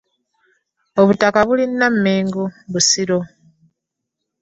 Obutaka buli Nnamengo Busiro.